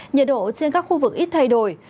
nhiệt độ trên các khu vực ít thay đổi